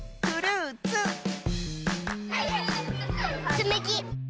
つみき。